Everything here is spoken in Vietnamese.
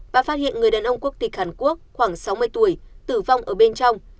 bà phát hiện người đàn ông quốc tịch hàn quốc khoảng sáu mươi tuổi tử vong ở bên trong